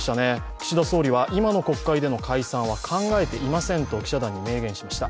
岸田総理は今の国会での解散は考えていませんと記者団に明言しました。